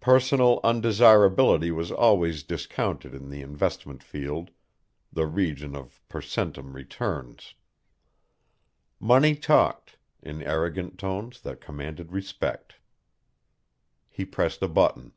Personal undesirability was always discounted in the investment field, the region of percentum returns. Money talked, in arrogant tones that commanded respect. He pressed a button.